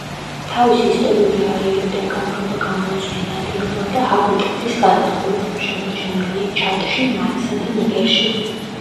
თავისი ისტორიული არეალიდან გაქრობა გამოიწვია ნადირობამ და ჰაბიტატის განადგურებამ; შემორჩენილია ჩადში, მალისა და ნიგერში.